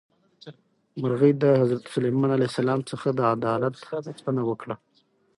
مرغۍ له حضرت سلیمان علیه السلام څخه د عدالت غوښتنه وکړه.